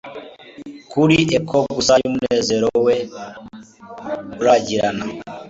kuri echo gusa yumunezero we urabagirana